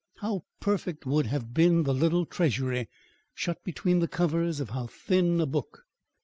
How perfect would have been the little treasury, shut between the covers of how thin a book!